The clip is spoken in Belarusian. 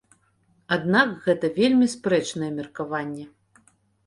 Аднак гэта вельмі спрэчнае меркаванне.